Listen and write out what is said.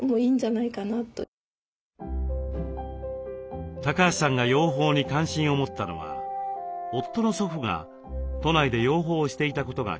でも今やってみると橋さんが養蜂に関心を持ったのは夫の祖父が都内で養蜂をしていたことがきっかけでした。